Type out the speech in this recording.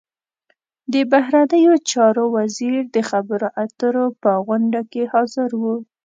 د بهرنیو چارو وزیر د خبرو اترو په غونډه کې حاضر و.